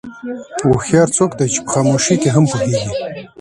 هوښیار څوک دی چې په خاموشۍ کې هم پوهېږي.